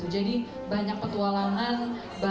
jadi ini adalah cerita yang sangat menarik